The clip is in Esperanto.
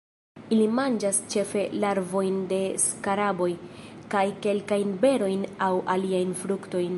Ili manĝas ĉefe larvojn de skaraboj, kaj kelkajn berojn aŭ aliajn fruktojn.